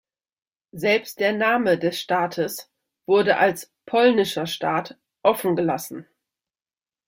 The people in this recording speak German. Selbst der Name des Staates wurde als „Polnischer Staat“ offengelassen.